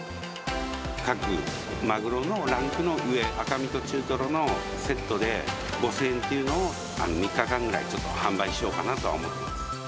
各マグロのランクの上、赤身と中トロのセットで５０００円っていうのを、３日間ぐらいちょっと販売しようかなとは思ってます。